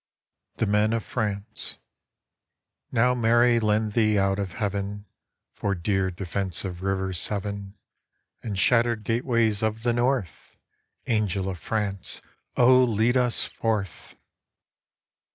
The Men of France : Now Mary lend thee out of heaven For dear defense of rivers seven And shattered gateways of the north! Angel of France, oh, lead us forth!